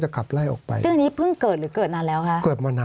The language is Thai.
สวัสดีครับทุกคน